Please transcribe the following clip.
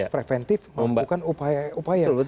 preventif bukan upaya